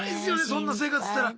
そんな生活してたら。